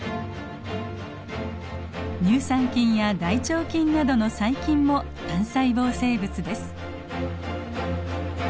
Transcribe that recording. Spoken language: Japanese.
乳酸菌や大腸菌などの細菌も単細胞生物です。